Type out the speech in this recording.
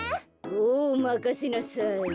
おまかせなさい。